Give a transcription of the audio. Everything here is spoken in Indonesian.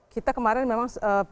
kita kemarin memang